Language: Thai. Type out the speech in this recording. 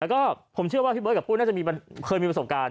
แล้วก็ผมเชื่อว่าพี่เบิร์ตกับผู้น่าจะเคยมีประสบการณ์